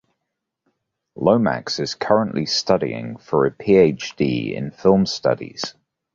Lomax is currently studying for a phd in Film Studies.